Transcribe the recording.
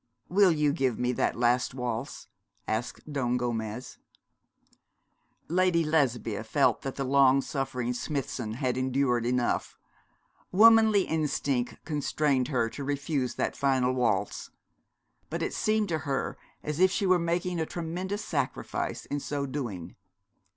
'Will you give me that last waltz?' asked Don Gomez. Lady Lesbia felt that the long suffering Smithson had endured enough. Womanly instinct constrained her to refuse that final waltz: but it seemed to her as if she were making a tremendous sacrifice in so doing.